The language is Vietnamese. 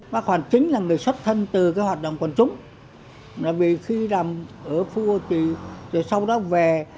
bác hoàn chính là người xuất thân từ hoạt động quân chúng vì khi làm ở phú hồ chí rồi sau đó về